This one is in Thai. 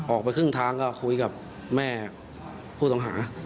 ออกไปครึ่งทางก็คุยกับแม่ผู้ต้องหา